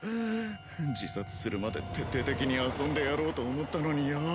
自殺するまで徹底的に遊んでやろうと思ったのによ